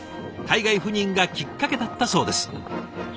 海外赴任がきっかけだったそうです。